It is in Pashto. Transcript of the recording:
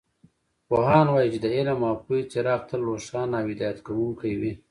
پوهان وایي چې د علم او پوهې څراغ تل روښانه او هدایت کوونکې وي